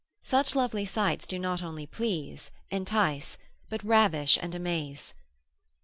Such lovely sights do not only please, entice, but ravish and amaze.